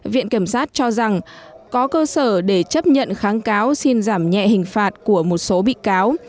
viện kiểm sát cho rằng có cơ sở để chấp nhận kháng cáo xin giảm nhẹ hình phạt của một số bị cáo